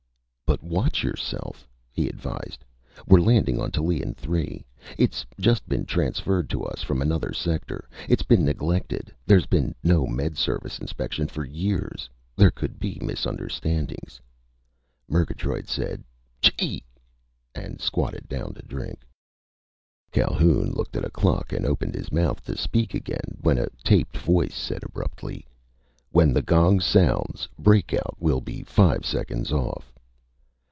"But watch yourself," he advised. "We're landing on Tallien Three. It's just been transferred to us from another sector. It's been neglected. There's been no Med Service inspection for years. There could be misunderstandings." Murgatroyd said, "Chee!" and squatted down to drink. Calhoun looked at a clock and opened his mouth to speak again, when a taped voice said abruptly: "_When the gong sounds, breakout will be five seconds off.